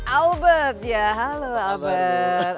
albert ya halo albert